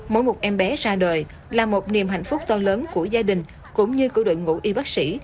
mỗi một em bé ra đời là một niềm hạnh phúc to lớn của gia đình cũng như của đội ngũ y bác sĩ